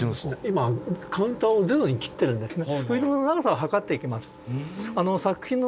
今カウンターをゼロにきってるんですね。